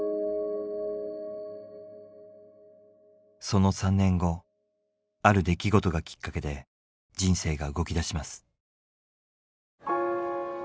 その３年後ある出来事がきっかけで人生が動きだします。